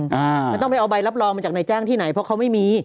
มันต้องไปเอาใบรับรองมาจากนายจ้างที่ไหนเพราะเขาไม่มี